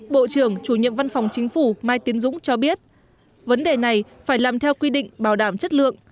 bộ trưởng chủ nhiệm văn phòng chính phủ mai tiến dũng cho biết vấn đề này phải làm theo quy định bảo đảm chất lượng